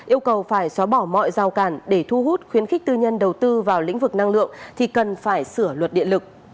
yêu cầu phải xóa bỏ mọi rào cản để thu hút khuyến khích tư nhân đầu tư vào lĩnh vực năng lượng thì cần phải sửa luật điện lực